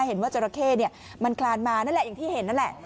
จราเข้มันคลานมานั่นแหละอย่างที่เห็นนั่นแหละ